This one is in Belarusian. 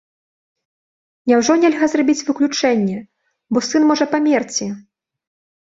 Няўжо нельга зрабіць выключэнне, бо сын можа памерці?!